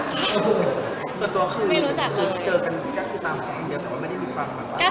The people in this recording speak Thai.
ส่วนตัวคือเจอกันยังคือตามหลายคนเดียวแต่ว่าไม่ได้มีความรักบางอย่าง